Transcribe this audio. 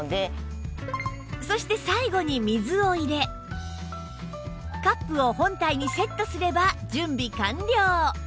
そして最後に水を入れカップを本体にセットすれば準備完了